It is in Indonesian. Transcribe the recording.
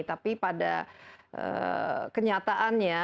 tapi pada kenyataannya